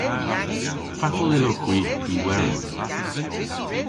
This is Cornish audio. Fatel yllowgh hwi y weres?